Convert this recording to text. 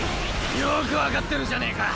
よく分かってるじゃねぇか。